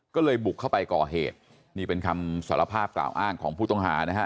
ก็เลยบุกเข้าไปก่อเหตุนี่เป็นคำสารภาพกล่าวอ้างของผู้ต้องหานะฮะ